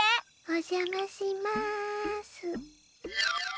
おじゃまします。